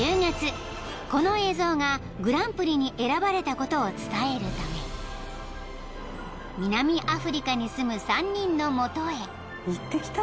［この映像がグランプリに選ばれたことを伝えるため南アフリカに住む３人の元へ］